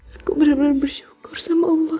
aku bener bener bersyukur sama allah